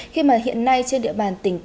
khi mà hiện nay trên địa bàn tỉnh cà mau